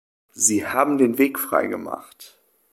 Sie haben den Weg frei gemacht.